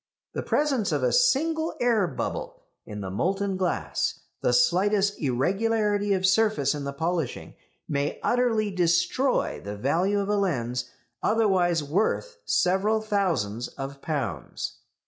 The presence of a single air bubble in the molten glass, the slightest irregularity of surface in the polishing may utterly destroy the value of a lens otherwise worth several thousands of pounds.